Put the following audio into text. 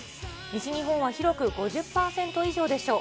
西日本は広く５０％以上でしょう。